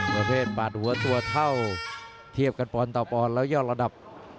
ประเภทบาดหัวตัวเท่าเทียบกันปอนต่อปอนด์แล้วยอดระดับ